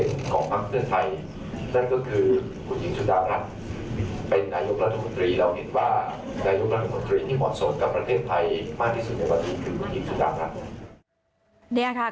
นี่คือผู้เด็กสุดรักษ์